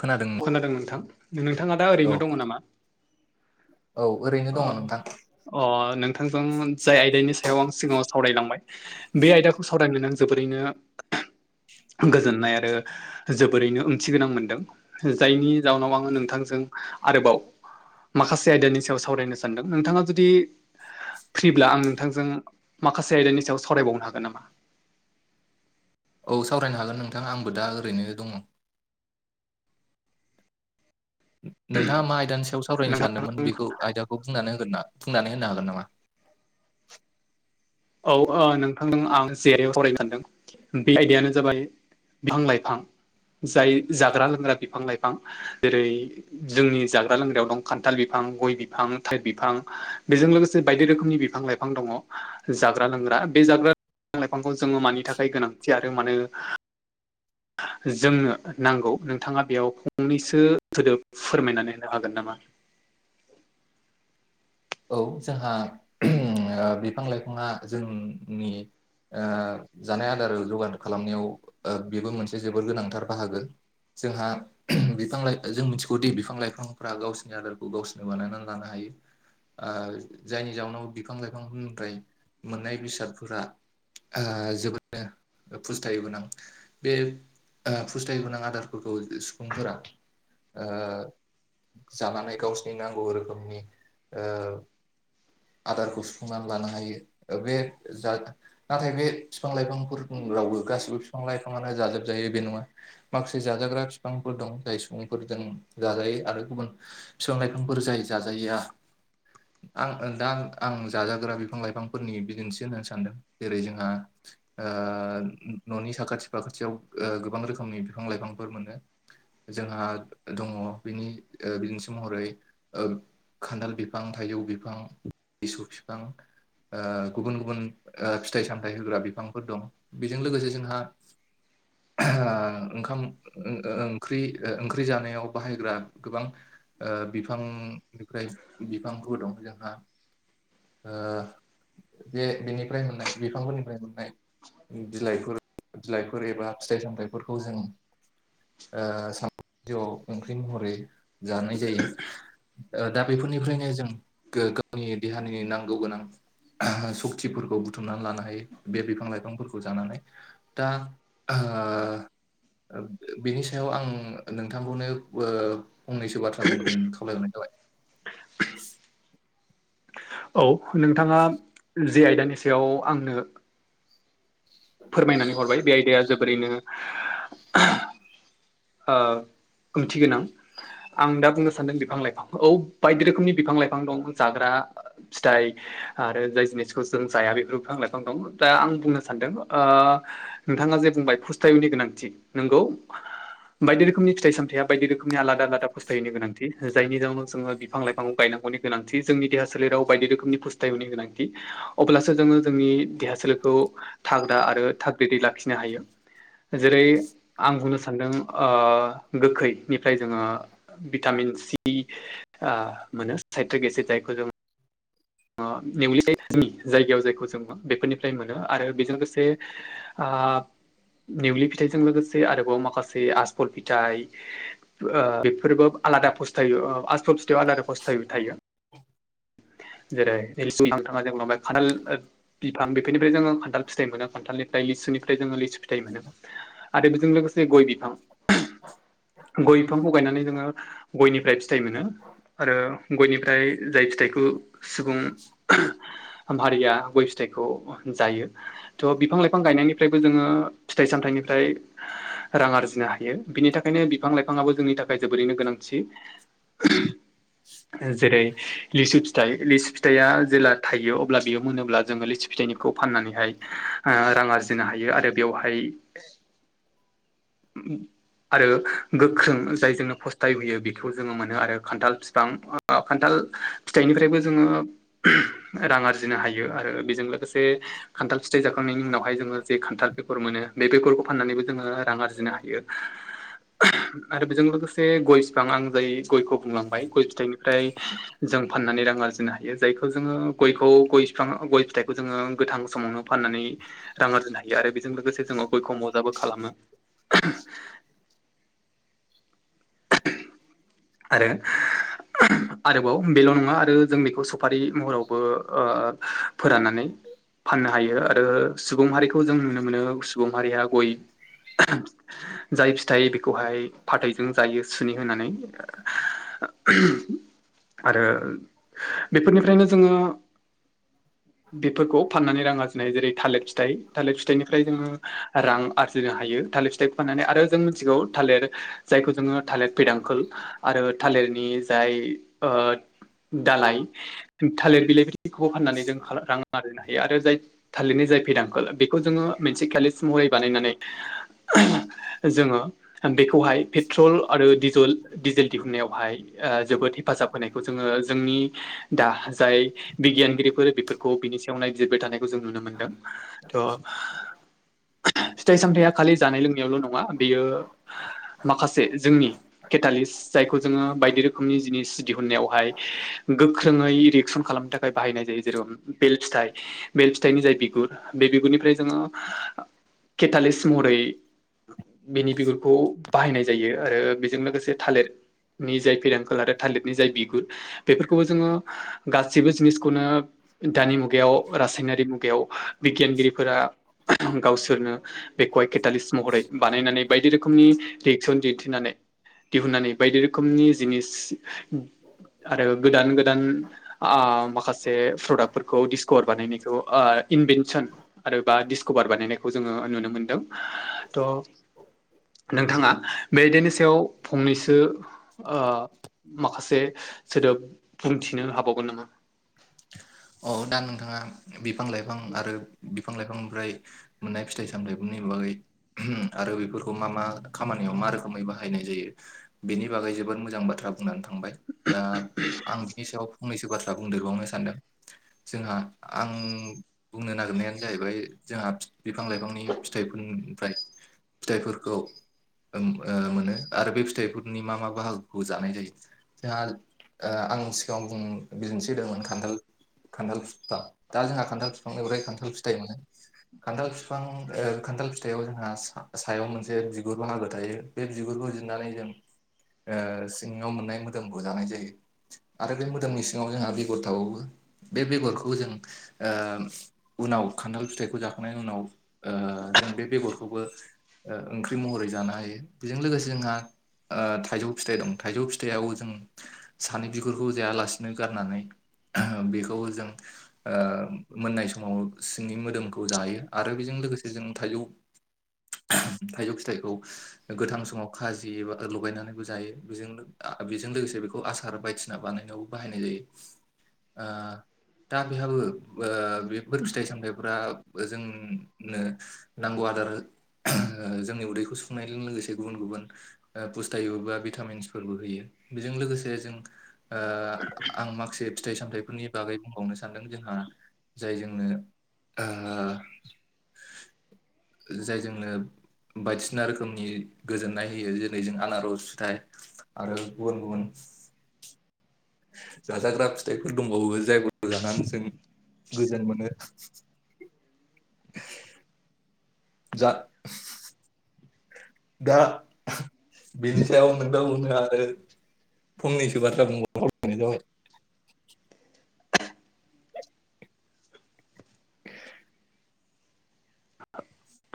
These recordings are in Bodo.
खोनादों खोनादों नोंथां नोंथाङा दा औ ओरैनो दङ नामा औ ओरैनो अ दङ नोंथां अ नोंथांजों जाय आयदानि सायाव आं सिगाङाव सावरायलांबाय बे आयदाखौ सावरायनानै आं जोबोरैनो गोजोननाय आरो जोबोरैनो ओंथि गोनां मोनदों जायनि जाउनाव आङो नोंथांजों आरोबाव माखासे आयदानि सायाव सावरायनो सानदों नोंथाङा जुदि फ्रिब्ला आं नोंथांजों माखासे आयदानि सायाव सावरायबावनो हागोन नामा औ सावरायनो हागोन नोंथां आंबो दा ओरैनो दङ नोंथाङा मा आयदानि सायाव सावरायनो सानदोंमोन नोंथां बेखौ आयदाखौ बुं होगोना बुंनानै होनो हागोन नामा औ ओ नोंथांजों आं जे सावरायनो सानदों बे आयदायानो जाबाय बिफां लाइफां जाय जाग्रा लोंग्रा बिफां लाइफां जेरै जोंनि जाग्रा लोंग्रायाव दं खान्थाल बिफां गय बिफां थाइद बिफां बेजों लोगोसे बायदि रोखोमनि बिफां लाइ फां दङ जाग्रा लोंग्रा बे जाग्रा लाइफांखौ जोङो मानि थाखाय गोनांथि आरो मानो जोंनो नांगौ नोंथाङा बेयाव फंनैसो सोदोब फोरमायनानै होनो हागोन नामा औ जोंहा बिफां लाइफाङा जोंनि ओ जानाय आदाराव जगा जग खालामनायाव बेबो मोनसे जोबोर गोनांथार बाहागो जोंहा बिफां लाइ जों मिथिगौदि बिफां लाइफांफ्रा गावसिनि आदारखौ गावसोरनो बानायनानै लानो हायो आ जायनि जाउनाव बिफां लाइफांफोरनिफ्राय मोननाय बेसादफोरा आहा जोबोदनो फुस्थायोमोन गोनां बे ओ फुस्थाय गोनां आदारफोरखौ सुबुंफोरा ओ जानानै गावसिनि नांगौ रोखोमनि ओ आदारखौ सुफुंनानै लानो हायो बे जाग नाथाय बे बिफां लाइफांफोर बुङोब्लाबो गासिबो बिफां-लाइफाङानो जाजोबजायो बे नङा। माखासे जाजाग्रा बिफांफोर दं जाय सुबुंफोरजों जाजायो आरो गुबुन फिफां लाइफांफोर जाय जाजायैया आं दा आं जाजाग्रा बिफां लाइफांफोरनि बिदिन्थि होनो सानदों जेरै जोंहा ओ न'नि साखाथि फाखाथियाव गोबां रोखोमनि बिफां लाइफांफोर मोनो। जोंहा दङ बिनि ओ बिदिन्थि महरै ओ खान्दाल बि फां थाइजौ बिफां लिसु फिफां ओ गुबुन गुबुन ओ फिथाइ सामथाइ होग्रा बिफांफोर दं बेजों लोगोसे जोंहा ओ ओंखाम ओ ओंख्रि ओंख्रि जानायाव बाहायग्रा गोबां ओ बिफांनिफ्राय बिफांफोर दं जोंहा ओ बे बेनिफ्राय मोननाय बिफांफोरनिफ्राय मोननाय बिलाइफोर बिलाइफोर एबा फिथाइ सामथाइफोरखौ जों ओ साम'आव [unintelligible] ओंख्रि महरै जानाय जायो ओ दा बेफोरनि बेनिफ्रायनो जों गो गावनि देहानि नांगौ गोनां सक्तिफोरखौ बुथुमनानै लानो हायो बे बिफां लाइफांफोरखौ जानानै दा ओ बेनि सायाव आं नोंथांखौनो ओ फंनैसो बाथ्रा बुंग्रोनो खावलायहरनाय जाबाय। [inaudible] औ नोंथाङा जे आयदानि सायाव आंनो [inaudible] फोरमायनानै हरबाय बे आयदाया जोबोरैनो ओ ओंथि गोनां आं दा बुंनो सानदों बिफां लाइफां औ बायदि रोखोमनि बिफां लाइफां दं जाग्रा फिथाइ आरो जाय जिनिसखौ जों जाया बेफोर बिफां लाइफां दं दा आं बुंनो सानदों ओ नोंथाङा जे बुंबाय खुस्थायनि गोनांथि नंगौ। बायदि रोखोमनि फिथाइ सामथाया बायदि रोखोमनि आलादा आलादा फस्थायैनि गोनांथि, जायनि जाउनाव जोङो बिफां लाइफां गायनांगौनि गोनांथि जोंनि देहा सोलेराव बायदि रोखोमनि फुस्थायनि गोनांथि। अब्लासो जोङो जोंनि देहा सोलेरखौ थाग्रा आरो थागदिदै लाखिनो हायो। जेरै आं बुंनो सान्दों। ओ गोखैनिफ्राय जोङो भिटामिन सि। ओ मोनो साइत्रिक एसिड जायखौ जोंङो ओ नेवलिनायनि जायगायाव जायखौ जोङो बेफोरनिफ्राय मोनो आरो बेजों लोगोसे [inaudible] ओ नेउलि फिथाइजों लोगोसे आरोबाव माखासे आसफल पिथाइ। ओ बेफोरबो आलादा फस्थायो आसथ' फुथायाव आलादा फस्थाय थायो। जेरै [unintelligible] खान्थाल ओ बिफां बेफोरनिफ्राय जोङो खान्थाल फिथाइ मोनो। खान्थालनिफ्राय लिसुनिफ्राय जोङो लिसु न आरो बिजों लोगोसे गय बिफां, गय बिफांखौ गायनानै जोङो, गयनिफ्राय फिथाइ मोनो आरो गयनिफ्राय जाय फिथाइखौ सुबुं भारिया गय फिथाइखौ जायो। थह बिफां लाइफां गायनायनिफ्रायबो जोङो फिथाइ-सामथाइनिफ्राय रां आरजि नो हायो बिनि थाखायनो बिफां लाइफाङाबो जोंनि थाखाय जोबोरैनो गोनांथि जेरै लिसु फिथाइ लिसु फिथाइआ जेब्ला थायो अब्ला बेयाव मोनोब्ला जोङो लिसु फिथाइनिखौ फाननानैहाय रां आरजिनो हायो आरो बेवहाय [inaudible] आरो गोख्रों जायजोंनो फस्थाय होयो बेखौ जोङो मोनो आरो खान्थाल फिफां खान्थाल फिथाइनिफ्रायबो जोङो रां आरजिनो हायो आरो बेजों लोगोसे खान्थाल फिथाइ जाखांनायनि उनावा जोङो जे खान्थाल बेर मोनो बेगरखौ फाननानैबो जोङो रां आरजि नो हायो आरो बेजों लोगोसे गय बिफां आं जाय गयखौ बुंलांबाय गय फिथाइनिफ्राय जों फाननानै रां आरजिनो हायो जायखौ जोङो गयखौ गय बिफां गय फिथाइखौ जोङो गोथां समावनो फाननानै रां आरजिनो हायो आरो बेजों लोगोसे जोङो गयखौ मजाबो खालामो [unintelligible] आरो आरोबाव बेल' नङा आरो जों बेखौ सफारि महरावबो ओ फोराननानै फाननो हायो आरो सुबुं माहारिखौ जों नुनो मोनो सुबुं माहारिया गय जाय फिथाइ बेखौहाय फाथैजों जायो सुनि होनानै [inaudible] आरो बेफोरनिफ्रायनो जोङो [inaudible] बेफोरखौ फाननानै रां आरजिनाय जेरै थालिर फिथाइ थालिर फिथाइनिफ्राय जोङो रां आरजिनो हायो थालिर फिथाइ फाननानै आरो जों मिथिगौ थालेर जायखौ जोङो थालेर फैदांखोल आरो थालिरनि जाय दालाय थालिर बिलाइफोरखौबो फाननानै जों रां आरजिनो हायो आरो जाय थालिरनि जाय बिदांखोल बेखौ जोङो मोनसे खेलिफ महरै बानायनानै जोङो बेखौहाय पेट्रल आरो डिजल डिसेल दिहुननायावहाय जोबोद हेफाजाब होनायखौ जोङो जोंनि दा जाय बिगियानगिरिफोर बेफोरखौ बिनि सायाव नायबिजिरबाय थानाय बेखौ जों नुनो मोनदों थ फिथाइ सामथाया खालि जानाय लोंनायावल नङा बेयो मा खासे जोंनि केटालिस जायखौ जोङो बायदि रोखोमनि जिनिस दिहुन्नायावहाय गोख्रोङै रिएकसन खालामनो थाखाय बाहायनाय जायो जेराव बेल फिथाइ बेल फिथाइनि जाय बिगुर बे बिगुरनिफ्राय जोङो केटालिक्स महरै बेनि बिगुरखौ बाहायनाय जायो आरो बेजों लोगोसे थालिर नि जाय फिरेंखोल आरो थालिरनि जाय बिगुर बेफोरखौबो जोङो गासैबो जिनिसखौनो दानि मुगायाव रासायनारि मुगायाव बिगियानगिरिफोरा गावसोरनो बेखौहाय केटालिस महरै बानायनानै बायदि रोखोमनि रिएक्सन दिन्थिनानै दिहुननानै बायदि रोखोमनि जिनिस आरो गोदान गोदान माखासे प्रडाक्टफोरखौ डिसकभार बानायनायखौ इनभेनसन आरो बा डिसकभार बानायनायखौ जोङो नुनो मोनदों थ नोंथाङा बेदिनो सायाव फंनैसो माखासे सोदोब बुंथिनो हाबावगोन नामा औ दा नोंथाङा बिफां लाइफां आरो बिफां लाइफांनिफ्राय मोननाय फिथाइ सामथायफोरनि बागै आरो बेफोरखौ मा मा खामानियाव मा रोखोमै बाहायनाय जायो बिनि बागै जोबोद मोजां बाथ्रा बुं नानै थांबाय दा आं बिनि सायाव फंनैसो बाथ्रा बुंदेरबावनो सानदों जोंहा आं बुंनो नागिरनायानो जाहैबाय जोंहा बिफां लाइफांनि फिथाइफोरनिफ्राय फिथाइफोरखौ मोनो आरो बे फिथाइफोरनि मा मा बाहागोखौ जानाय जायो जोंहा आं सिगाङाव बुं बिदिनथि होदोंमोन खान्थाल खान्थाल बिफां दा जोंहा खान्थाल बिफांनिफ्राय खान्थाल फिथाइ मोनो खान्थाल बिफां खान्थाल फिथाइयाव जोंहा सायाव मोनसे बिगुर बाहागो थायो बे बिगुरखौ जिरनानै जों सिङाव मोननाय मोदोमखौ जानाय जायो आरो बे मोदोमनि सिङाव जोंहा बेगर थाबावो बे बेगरखौ जों ओ उनाव खान्थाल फिथाइखौ जाखांनायनि उनाव जों बे बेगरखौबो ओंख्रि महरै जानो हायो बेजों लोगोसे जोंहा थाइजौ फिथाइ दं थाइजौ फिथाइआव जों सानि बिगुरखौ जायालासिनो गारनानै बेखौबो जों मोननाय समाव सिंनि मोदोमखौ जायो आरो बेजों लोगोसे जों थाइजौ थाइजौ फिथाइखौ गोथां समाव खाजि एबा लगायनानैबो जायो बेजों बेजों लोगोसे बेखौ आसार बायदिसिना बानायनायाव बाहायनाय जायो दा बेहाबो बेफोर फिथाइ सामथाइफोरा जोंनो नांगौ आदार जोंनि उदैखौ सुफुंनायजों लोगोसे गुबुन गुबुन फुसथायुबा भिटामिन्सफोरबो होयो बेजों लोगोसे जों आ आं माखासे फिथाइ सामथाइ फोरनि बागै बुंबावनो सानदों जोंहा जाय जोंनो जाय जोंनो बायदिसिना रोखोमनि गोजोननाय होयो जेरै जों आनारस फिथाइ आरो गुबुन गुबुन जाजाग्रा फिथाइफोर दंबावो जायफोरखौ जानानै जों गोजोन मोनो जा दा बेनि सायाव नोंथां बुंदो आरो फंनैसो बाथ्रा बुं [unintelligible] जाबाय [inaudible] [inaudible] [inaudible]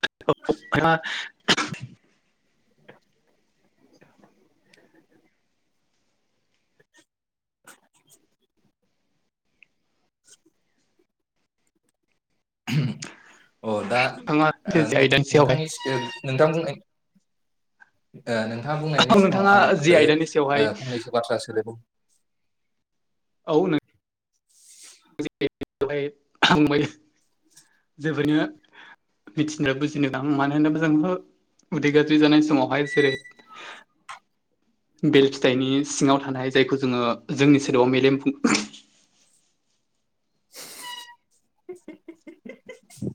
[unintelligible] [inaudible] [inaudible] [inaudible] अ दा नोंथाङा जे आयदानि सायावहाय नोंथांनि [unintelligible] नोंथां बुंनाय ओ नोंथाङा औ बुंनायनि नोंथाङा सिगाङाव आं जि ओ आयदानि सायावहाय ओ फंनैसो बाथ्रा सोलायबावनि औ नों [unintelligible] जोबोरैनो मिथिनो बुजिनो दां मानो होनोबा जों थ' उदै गाज्रि जानाय समावहाय जेरै बेल फिथाइनि सिङाव थानाय जायखौ जोङो जोंनि सोदोबआव मेलेम बुं [unintelligible]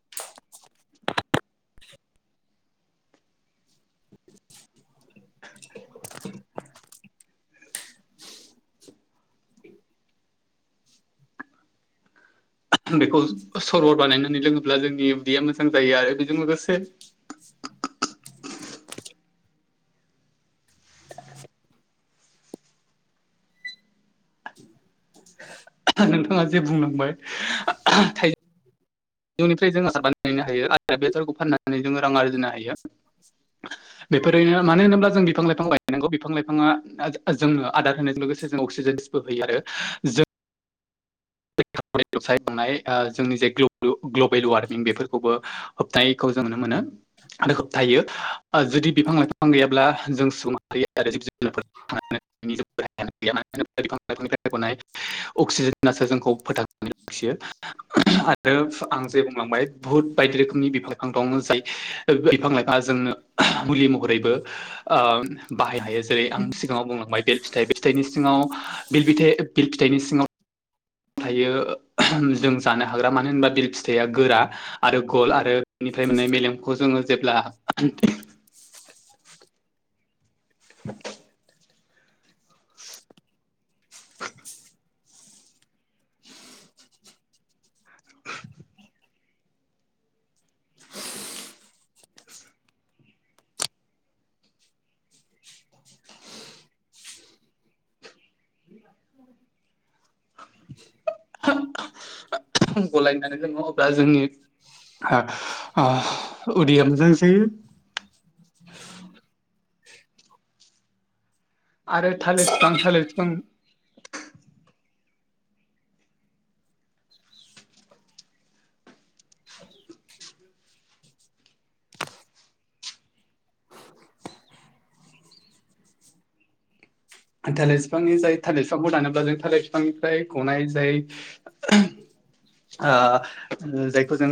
[inaudible] [inaudible] आं बेखौ सरवर बानायनानै लोङोब्ला जोंनि उदैया मोजां जायो आरो बेजों लोगोसे [inaudible] [inaudible] [inaudible] नोंथाङा जे बुंलांबाय थाइ जौनिफ्राय जों आसार बानायनो हायो आरो बे आसारखौ फाननानै जोङो रां आरजिनो हायो। [inaudible] बेफोरनो मानो होनोब्ला जों बिफां लाइफां गायनांगौ बिफां लाइफाङा जोंनो आदार होनायजों लोगोसे जों अक्सिजेन होय़ आरो जों [unintelligible] नाय जोंनि जे ग्लबेल वार्मिं बेफोरखौबो होबथानायैखौ जों नुनो मोनो। होबथायो जुदि बिफां लाइफां गैयाब्ला जों सुबुं माहारिया [unintelligible] [unintelligible] अक्सिजेनासो जोंखौ खौ फोथांनानै लाखियो। आरो आं जे बुंलांबाय बुहुत बायदि रोखोमनि बिफां बिफां दं जाय बिफां लाइफाङा जोंनो मुलि महरैबो ओ बाहाय हायो जेरै आं सिगाङाव बुंलांबाय बेल फिथाइ बे फिथाइनि सिङाव बिलबिथाइ बिल फिथाइनि सिङाव थायो जों जानो हाग्रा मानो होनबा बिल फिथाइया गोरा। आरो गल आरो बेनिफ्राय माने मेलेमखौ जोङो जेब्ला [unintelligible] गलायनानै लोङो अब्ला जोंनि उदैया मोजां जायो। [inaudible] आरो थालिर बिफां थालिर बिफां थालिर बिफांनि जाय थालिर बिफांखौ दानोब्ला जों थालिर बिफांनिफ्राय गनाय जाय ओ जायखौ जों